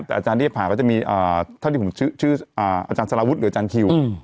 แต่อาจารย์เรียกผ่าก็จะมีเท่าที่ผมชื่ออาจารย์สารวุฒิหรืออาจารย์คิว